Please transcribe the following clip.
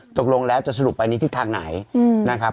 ตกลงแล้วจะสรุปไปในทิศทางไหนนะครับ